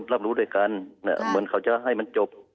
รับรู้ด้วยกันเหมือนเขาจะให้มันจบ